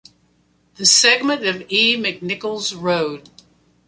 The segment of E. McNichols Road.